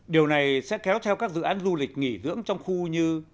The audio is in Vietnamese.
điều này sẽ kéo theo các dự án du lịch nghỉ dưỡng trong khu như